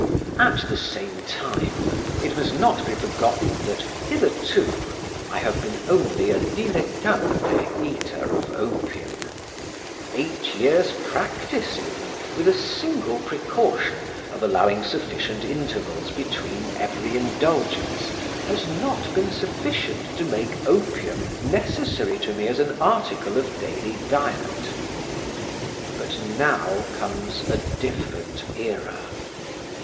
At the same time, it must not be forgotten that hitherto I have been only a dilettante eater of opium; eight years' practice even, with a single precaution of allowing sufficient intervals between every indulgence, has not been sufficient to make opium necessary to me as an article of daily diet. But now comes a different era.